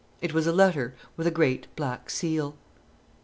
It was a letter with a great black seal.